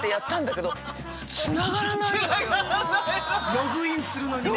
ログインするのにね。